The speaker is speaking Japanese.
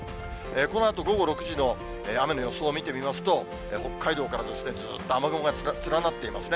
このあと午後６時の雨の予想を見てみますと、北海道からずっと雨雲が連なっていますね。